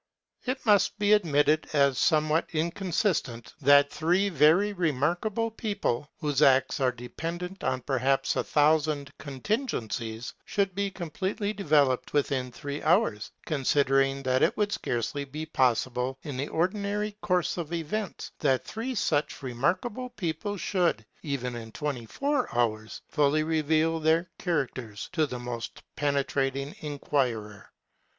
It must be admitted as somewhat inconsistent that three very remarkable people, whose acts are dependent on perhaps a thousand contingencies, should be completely developed within three hours, considering that it would scarcely be possible, in the ordinary course of events, that three such remarkable people should, even in twenty four hours, fully reveal their characters to the most penetrating inquirer.